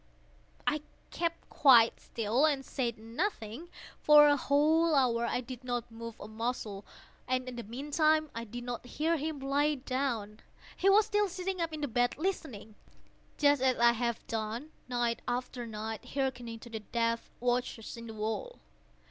I kept quite still and said nothing. For a whole hour I did not move a muscle, and in the meantime I did not hear him lie down. He was still sitting up in the bed listening;—just as I have done, night after night, hearkening to the death watches in the wall.